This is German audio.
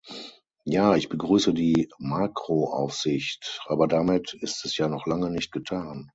Ja, ich begrüße die Makroaufsicht, aber damit ist es ja noch lange nicht getan.